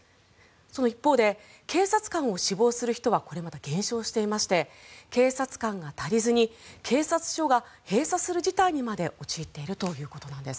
その一方で警察官を志望する人はこれまた減少していまして警察官が足りずに警察署が閉鎖する事態にまで陥っているということなんです。